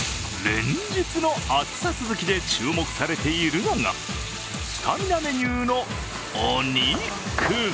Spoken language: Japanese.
連日の暑さ続きで注目されているのがスタミナメニューのお肉。